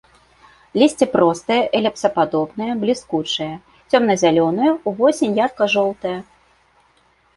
Лісце простае, эліпсападобнае, бліскучае, цёмна-зялёнае, увосень ярка-жоўтае.